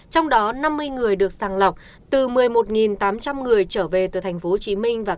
trong đó năm mươi người được sàng lọc từ một mươi một tám trăm linh người trở về từ tp hcm và